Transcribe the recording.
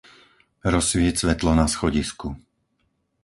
Rozsvieť svetlo na schodisku.